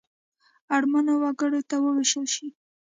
اړمنو وګړو ته ووېشل شي.